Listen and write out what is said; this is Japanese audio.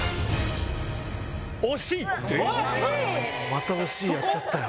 また「惜しい」やっちゃったよ。